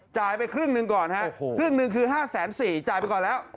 จ่ายไปครึ่งหนึ่งก่อนครับครึ่งหนึ่งคือ๕แสน๔จ่ายไปก่อนแล้ว